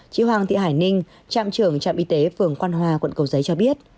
chị hoàng thị hải ninh trạm trưởng trạm y tế phường quan hòa quận cầu giấy cho biết